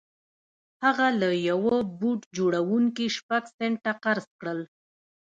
هغه له يوه بوټ جوړوونکي شپږ سنټه قرض کړل.